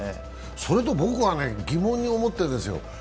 それと僕は疑問に思ってるんですよ。